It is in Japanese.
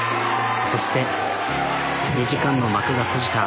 そして２時間の幕が閉じた。